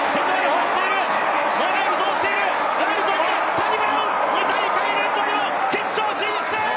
サニブラウン、２大会連続の決勝進出！